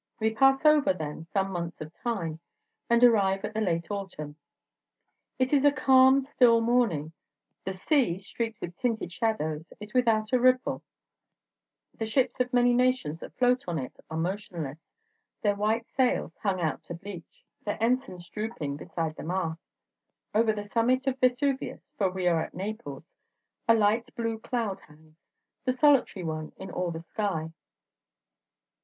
We pass over, then, some months of time, and arrive at the late autumn. It is a calm, still morning; the sea, streaked with tinted shadows, is without a ripple; the ships of many nations that float on it are motionless, their white sails hung out to bleach, their ensigns drooping beside the masts. Over the summit of Vesuvius for we are at Naples a light blue cloud hangs, the solitary one in all the sky.